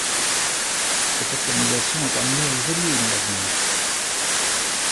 Cette organisation est amenée à évoluer dans l'avenir.